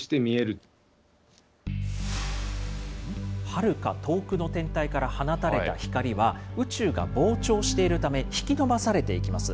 はるか遠くの天体から放たれた光は、宇宙が膨張しているため、引き伸ばされていきます。